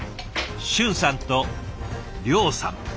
俊さんと諒さん。